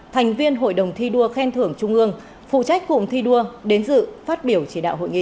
thành viên hội đồng thi đua khen thưởng trung ương phụ trách cụm thi đua đến dự phát biểu chỉ đạo hội nghị